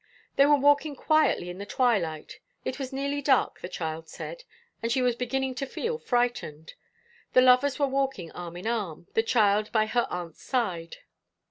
They were walking quietly in the twilight, it was nearly dark, the child said, and she was beginning to feel frightened. The lovers were walking arm in arm, the child by her aunt's side.